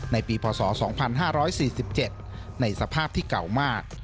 ในปีพศ๒๕๔๗ในสภาพที่เก่ามาก